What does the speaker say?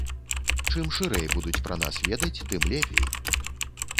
Чым шырэй будуць пра нас ведаць, тым лепей.